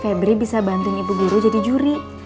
febri bisa bantuin ibu guru jadi juri